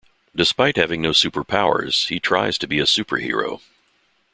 Despite having no superpowers, he tries to be a superhero.